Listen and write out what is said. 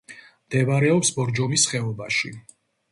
მდებარეობს ბორჯომის ხეობაში.